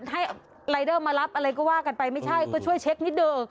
ให้รายเดอร์มารับอะไรก็ว่ากันไปไม่ใช่ก็ช่วยเช็คนิดเดอ